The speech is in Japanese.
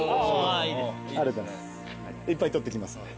いっぱい撮っていきますんで。